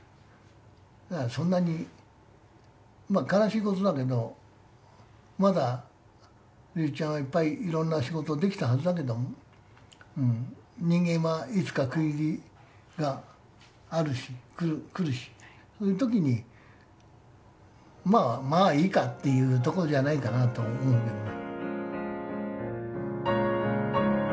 だから、そんなに悲しいことだけどまだ龍一ちゃんはいっぱいいろんな仕事できたはずだけど人間はいつか区切りがあるし来るし、そういう時にまあ、いいか、というとこじゃないかなと思うけどね。